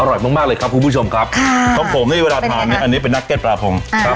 อร่อยมากมากเลยครับคุณผู้ชมครับค่ะของผมนี่เวลาทานเนี่ยอันนี้เป็นนักเก็ตปลาพงครับ